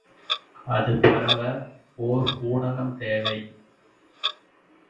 அது பரவ ஒர் ஊடகம் தேவை.